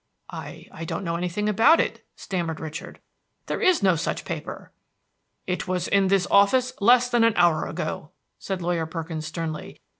"I I know nothing about it," stammered Richard. "There is no such paper!" "It was in this office less than one hour ago," said Lawyer Perkins sternly.